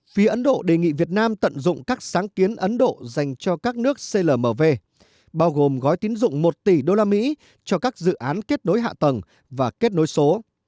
phía ấn độ đề nghị việt nam tận dụng các sáng kiến ấn độ dành cho các nước clmv bao gồm gói tín dụng một tỷ usd cho các dự án kết nối hạ tầng và kết nối số